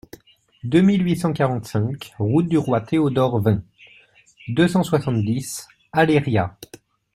deux mille huit cent quarante-cinq route du Roi Théodore, vingt, deux cent soixante-dix, Aléria